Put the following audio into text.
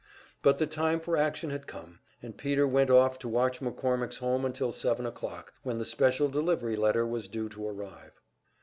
But the time for action had come, and Peter went off to watch McCormick's home until seven o'clock, when the special delivery letter was due to arrive.